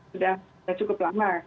sudah cukup lama